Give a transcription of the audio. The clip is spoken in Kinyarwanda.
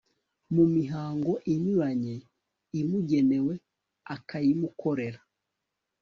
mu mihango inyuranye imugenewe akayimukorera